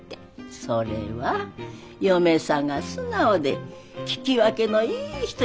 それは嫁さが素直で聞き分けのいい人やでやさ。